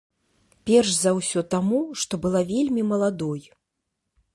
Перш за ўсё таму, што была вельмі маладой.